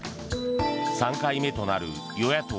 ３回目となる与野党４